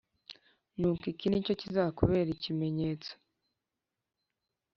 Nuko iki ni cyo kizakubera ikimenyetso